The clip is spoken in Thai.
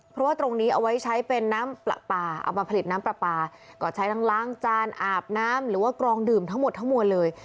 เพราะว่าตรงนี้เอาไว้ใช้เป็นน้ำปลาปลาเอามาผลิตน้ำปลาปลาก็ใช้ทั้งล้างจานอาบน้ำหรือว่ากรองดื่มทั้งหมดทั้งมวลเลย